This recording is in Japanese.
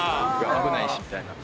危ないしみたいな。